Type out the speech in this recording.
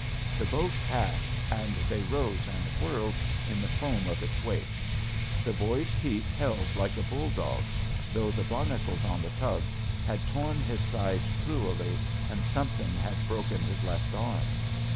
The boat passed, and they rose and whirled in the foam of its wake. The boy's teeth held like a bulldog's, though the bar nacles on the tug had torn his side cruelly and something had broken his left arm.